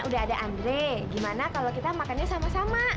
udah ada andre gimana kalau kita makannya sama sama